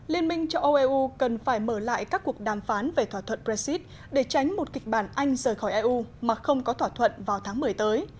liên minh châu âu eu cần phải mở lại các cuộc đàm phán về thỏa thuận brexit để tránh một kịch bản anh rời khỏi eu mà không có thỏa thuận vào tháng một mươi tới